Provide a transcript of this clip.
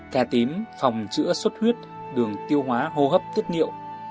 cà tím phòng chữa suốt huyết đường tiêu hóa hô hấp tước nhiệu